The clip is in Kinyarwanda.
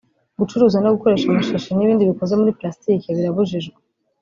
gucuruza no gukoresha amashashi n’ibindi bikoze muri pulasitiki birabujijwe